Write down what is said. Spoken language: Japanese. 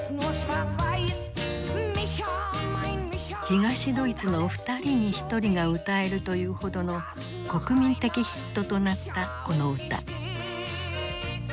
東ドイツの２人に１人が歌えるというほどの国民的ヒットとなったこの歌。